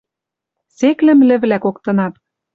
Сек лӹмлӹвлӓ коктынат.